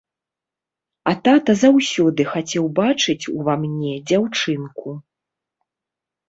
А тата заўсёды хацеў бачыць ува мне дзяўчынку.